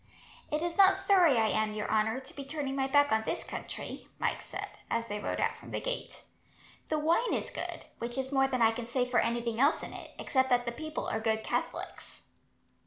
"It is not sorry I am, your honour, to be turning my back on this country," Mike said, as they rode out from the gate. "The wine is good, which is more than I can say for anything else in it, except that the people are good Catholics."